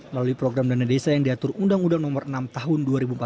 melalui program dana desa yang diatur undang undang nomor enam tahun dua ribu empat belas